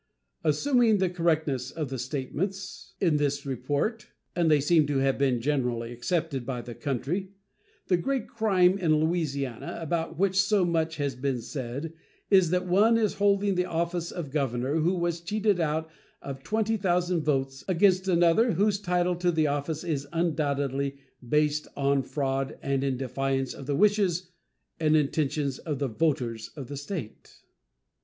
Assuming the correctness of the statements in this report (and they seem to have been generally accepted by the country), the great crime in Louisiana, about which so much has been said, is that one is holding the office of governor who was cheated out of 20,000 votes, against another whose title to the office is undoubtedly based on fraud and in defiance of the wishes and intentions of the voters of the State.